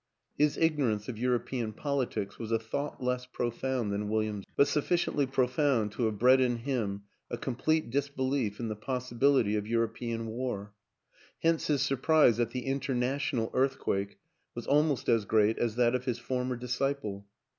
His ignorance of European politics was a thought less profound than William's, but sufficiently profound to have bred in him a complete disbelief in the pos sibility of European war; hence his surprise at the international earthquake was almost as great as that of his former disciple.